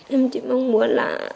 em chỉ mong muốn là